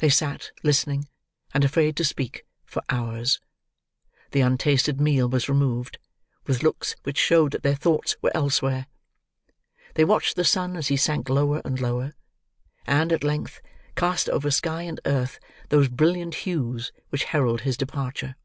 They sat, listening, and afraid to speak, for hours. The untasted meal was removed, with looks which showed that their thoughts were elsewhere, they watched the sun as he sank lower and lower, and, at length, cast over sky and earth those brilliant hues which herald his departure.